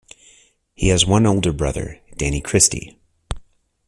He has one older brother, Danny Christie.